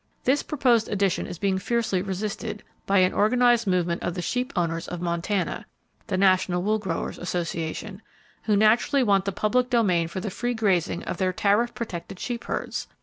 This proposed addition is being fiercely resisted, by an organized movement of the sheep owners of Montana (the National Wool Growers' Association), who naturally want the public domain for the free grazing of their tariff protected sheep herds.